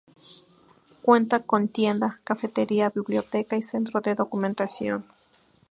Cuenta con tienda, cafetería, biblioteca y centro de documentación.